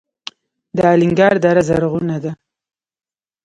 د الینګار دره زرغونه ده